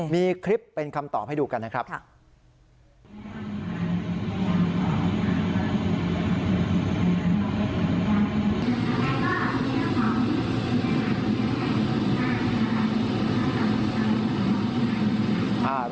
มีคลิปเป็นคำตอบให้ดูกันนะครับ